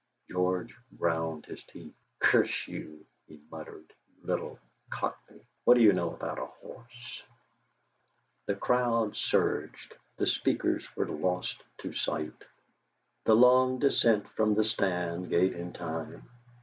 George ground his teeth. "Curse you!" he muttered, "you little Cockney; what do you know about a horse?" The crowd surged; the speakers were lost to sight. The long descent from the stand gave him time.